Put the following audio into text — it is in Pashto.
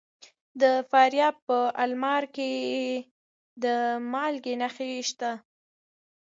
د فاریاب په المار کې د مالګې نښې شته.